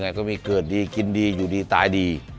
ทำไมก็มีเกิดดีกินดีอยู่ดีตายดี